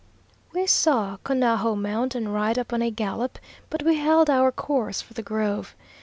We saw Conajo mount and ride up on a gallop, but we held our course for the grove.